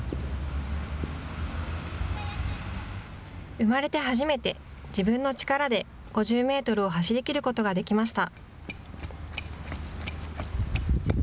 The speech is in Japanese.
生まれて初めて自分の力で５０メートルを走りきることができました。